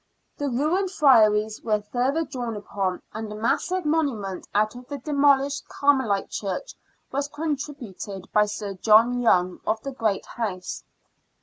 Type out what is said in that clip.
The ruined Friaries were further drawn upon, and a massive monument out of the de molished Carmelite Church was contributed by Sir John Young, of the Great House.